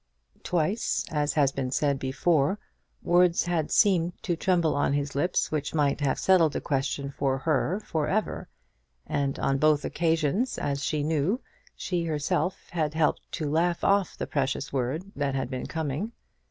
Twice, as has been said before, words had seemed to tremble on his lips which might have settled the question for her for ever; and on both occasions, as she knew, she herself had helped to laugh off the precious word that had been coming.